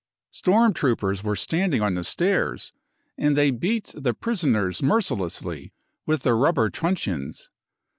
Storm troopers were standing on the stairs, and they beat the prisoners mercilessly with their rubber truncheons.